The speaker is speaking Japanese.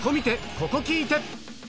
ここ聴いて！